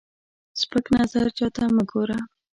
سپک نظر چاته مه ګوره